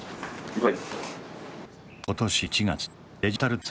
はい。